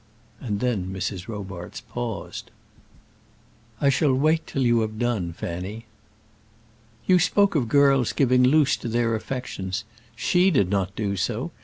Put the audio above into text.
And then Mrs. Robarts paused. "I shall wait till you have done, Fanny." "You spoke of girls giving loose to their affections. She did not do so.